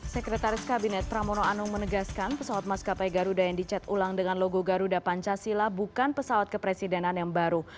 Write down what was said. sekretaris kabinet pramono anung menegaskan pesawat maskapai garuda yang dicat ulang dengan logo garuda pancasila bukan pesawat kepresidenan yang baru